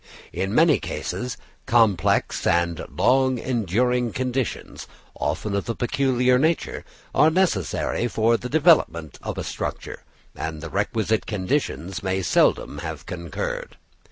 In many cases complex and long enduring conditions, often of a peculiar nature, are necessary for the development of a structure; and the requisite conditions may seldom have concurred.